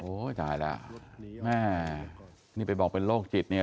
ตายแล้วแม่นี่ไปบอกเป็นโรคจิตเนี่ย